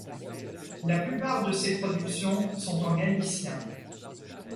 La plupart de ses productions sont en galicien.